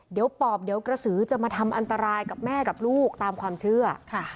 เดี๋ยวปอบเดี๋ยวกระสือจะมาทำอันตรายกับแม่กับลูกตามความเชื่อ